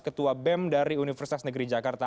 ketua bem dari universitas negeri jakarta